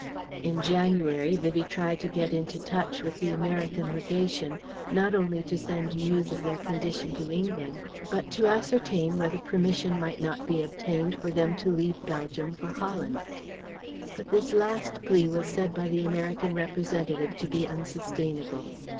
In January, Vivie tried to get into touch with the American Legation, not only to send news of their condition to England but to ascertain whether permission might not be obtained for them to leave Belgium for Holland. But this last plea was said by the American representative to be unsustainable.